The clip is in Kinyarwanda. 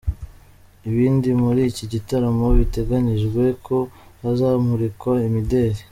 Ibindi: Muri iki gitaramo biteganijwe ko hazamurikwa imideri.